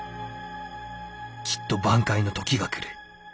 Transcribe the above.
きっと挽回の時が来る。